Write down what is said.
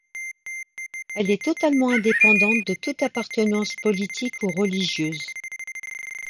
Elle est totalement indépendante de toute appartenance politique ou religieuse.